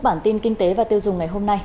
bản tin kinh tế và tiêu dùng ngày hôm nay